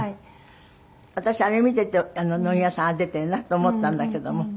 私あれ見ていて野際さんが出ているなと思ったんだけども。